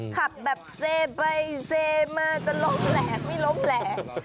ขับแบบเซไปเซมาจะล้มแหลกไม่ล้มแหลก